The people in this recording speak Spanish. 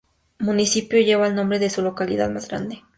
El municipio lleva el nombre de su localidad más grande.